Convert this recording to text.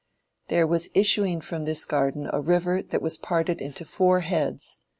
There was issuing from this garden a river that was parted into four heads.